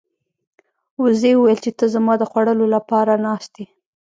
وزې وویل چې ته زما د خوړلو لپاره ناست یې.